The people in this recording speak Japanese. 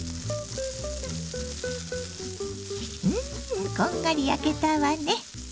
うんこんがり焼けたわね。